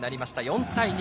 ４対２。